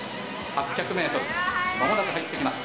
８００ｍまもなく入ってきます